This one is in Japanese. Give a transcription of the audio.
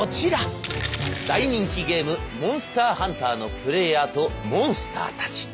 大人気ゲーム「モンスターハンター」のプレーヤーとモンスターたち。